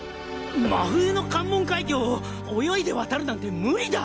真冬の関門海峡を泳いで渡るなんてムリだ。